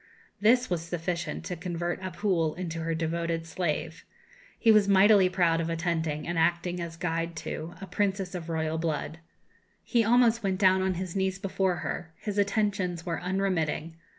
This was sufficient to convert Abhul into her devoted slave. He was mightily proud of attending, and acting as guide to, a princess of royal blood. He almost went down on his knees before her; his attentions were unremitting.